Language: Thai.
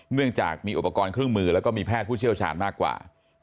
เนื่องจากมีอุปกรณ์เครื่องมือแล้วก็มีแพทย์ผู้เชี่ยวชาญมากกว่า